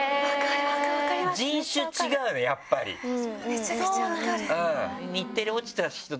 めちゃくちゃ分かる。